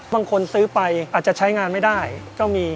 บางคนซื้อไปอาจจะใช้งานไม่ได้ก็มี